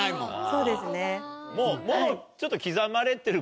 そうですね。